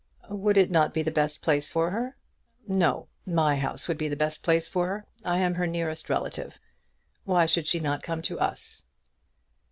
"Would it not be the best place for her?" "No. My house would be the best place for her. I am her nearest relative. Why should she not come to us?"